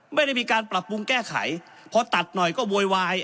ไม่ได้มีการปรับปรุงแก้ไขพอตัดหน่อยก็โวยวาย